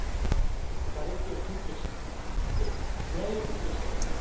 がれきを撤去して地雷を撤去して。